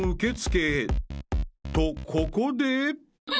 ［とここで］